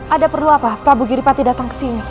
ada perlu apa prabu giripati datang ke sini